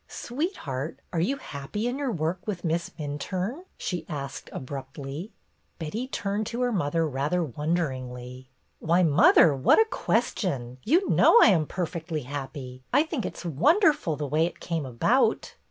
"Sweetheart, are you happy in your work with Miss Minturne ?" she asked abruptly. Betty turned to her mother rather wonder ingly. "Why, mother, what a question! You 5 66 BETTY BAIRD'S GOLDEN YEAR know I am perfectly happy. I think it 's wonderful, the way it came about!"